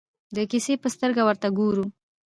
د کیسې په سترګه ورته ګورو.